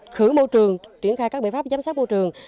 khử môi trường triển khai các biện pháp giám sát môi trường